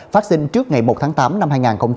phát sinh trước ngày một tháng tám năm hai nghìn hai mươi